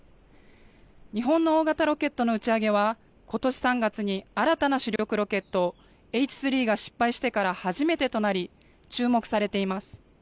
日本の大型ロケットの打ち上げは、ことし３月に新たな主力ロケットＨ３が失敗してから初めてとなり、注目されています。